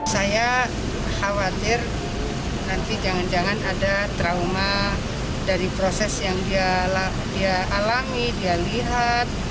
saya khawatir nanti jangan jangan ada trauma dari proses yang dia alami dia lihat